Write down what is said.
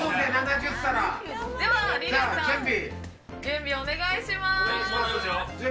ではリリーさん準備をお願いします。